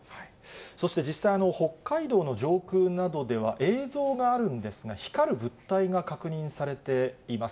そして実際、北海道の上空などでは、映像があるんですが、光る物体が確認されています。